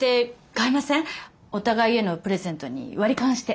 お互いへのプレゼントに割り勘して。